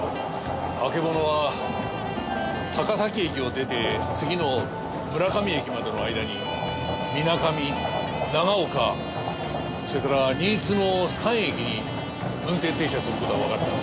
あけぼのは高崎駅を出て次の村上駅までの間に水上長岡それから新津の３駅に運転停車する事がわかった。